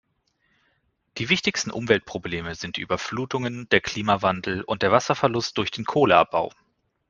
Die wichtigsten Umweltprobleme sind die Überflutungen, der Klimawandel und der Wasserverlust durch den Kohleabbau.